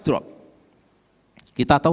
drop kita tahu